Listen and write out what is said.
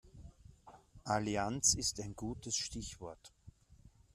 Allianz ist ein gutes Stichwort.